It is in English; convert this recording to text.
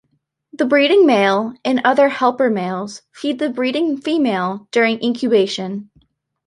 The breeding male and other helper males feed the breeding female during incubation.